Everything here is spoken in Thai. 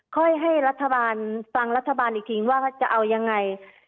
ค่อยให้รัฐบาลฟังรัฐบาลอีกทีว่าจะเอายังไง